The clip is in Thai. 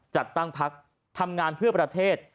จัดตั้งพักทำงานเพื่อประเทศ